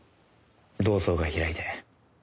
同窓会開いて。